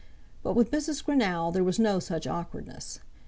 But with Mrs. Greenow there was no such awkwardness.